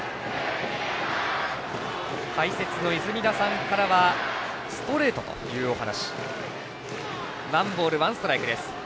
解説の泉田さんからはストレートというお話。